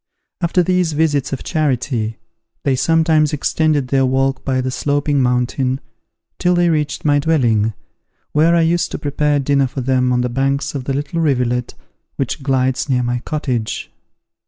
After these visits of charity, they sometimes extended their walk by the Sloping Mountain, till they reached my dwelling, where I used to prepare dinner for them on the banks of the little rivulet which glides near my cottage.